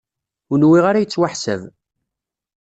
Ur nwiɣ ara yettwaḥsab.